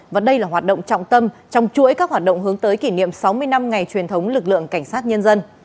và đây là hoạt động trọng tâm trong chuỗi các hoạt động hướng tới kỷ niệm sáu mươi năm ngày truyền thống lực lượng cảnh sát nhân dân